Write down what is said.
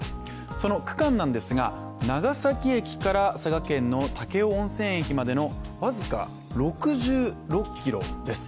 その区間なんですが長崎駅から佐賀県の武雄温泉駅までの僅か６６ｋｍです。